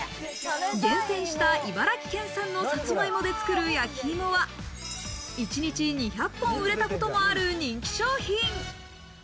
厳選した茨城県産のサツマイモで作る焼き芋は一日２００本、売れたこともある人気商品。